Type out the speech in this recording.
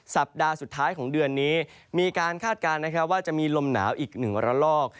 สัปดาห์สุดท้ายของเดือนนี้มีการคาดการณ์นะครับว่าจะมีลมหนาวอีกหนึ่งระลอก